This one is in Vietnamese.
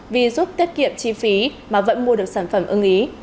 vì giúp tiết kiệm chi phí mà vẫn mua được sản phẩm ưng ý